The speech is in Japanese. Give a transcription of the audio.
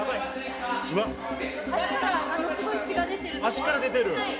足から出てる？